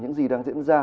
những gì đang diễn ra